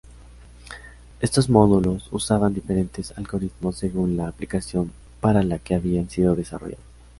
Estos módulos usaban diferentes algoritmos según la aplicación para la que habían sido desarrolladas.